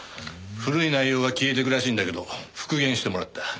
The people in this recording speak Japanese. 古い内容は消えていくらしいんだけど復元してもらった。